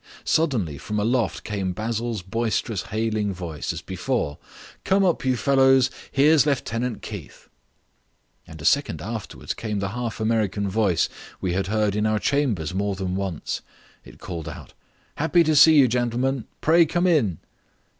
Suddenly from aloft came Basil's boisterous hailing voice as before: "Come up, you fellows. Here's Lieutenant Keith." And a second afterwards came the half American voice we had heard in our chambers more than once. It called out: "Happy to see you, gentlemen; pray come in."